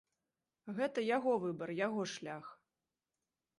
Гэта яго выбар, яго шлях.